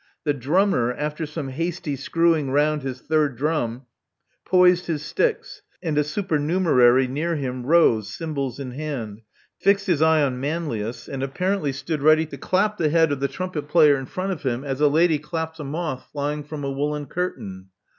The drummer, after some hasty screwing round his third drum, poised his sticks; and a supernumerary near him rose, cymbals in hand; fixed his eye on Manlius, and apparently stood ready to clap the head of the trumpet player in 178 Love Among the Artists front of him as a lady claps a moth flying from a wool len curtain.